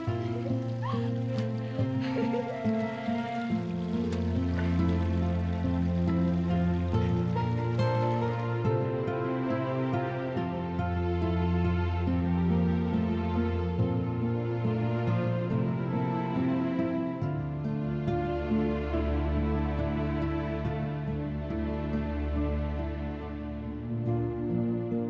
aku tidak mau